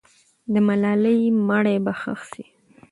د ملالۍ مړی به ښخ سي.